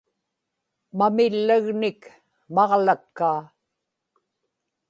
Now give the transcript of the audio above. mamillagnik maġlakkaa